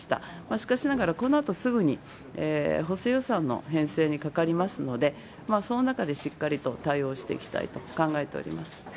しかしながら、このあとすぐに補正予算の編成にかかりますので、その中でしっかりと対応していきたいと考えております。